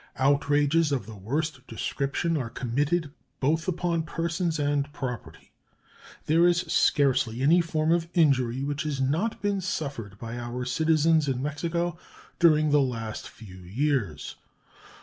Outrages of the worst description are committed both upon persons and property. There is scarcely any form of injury which has not been suffered by our citizens in Mexico during the last few years.